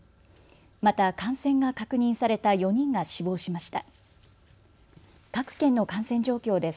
また感染が確認された４人が死亡しました。